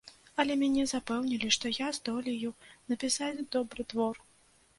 Але мяне запэўнілі, што я здолею напісаць добры твор.